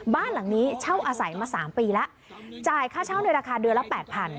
บ้านหลังนี้เช่าอาศัยมา๓ปีแล้วจ่ายค่าเช่าในราคาเดือนละแปดพัน